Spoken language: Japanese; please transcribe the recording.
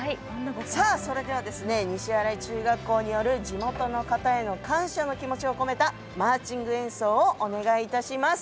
それでは、西新井中学校による地元の方への感謝の気持ちを込めたマーチング演奏をお願いします。